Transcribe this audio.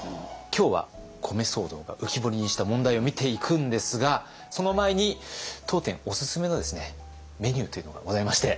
今日は米騒動が浮き彫りにした問題を見ていくんですがその前に当店オススメのメニューというのがございまして。